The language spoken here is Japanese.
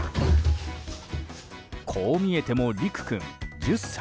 こう見えてもリク君、１０歳。